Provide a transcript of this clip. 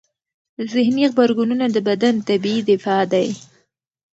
ذهني غبرګونونه د بدن طبیعي دفاع دی.